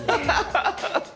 ハハハハッ！